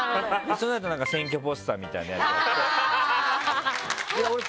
その後なんか選挙ポスターみたいなやつやって。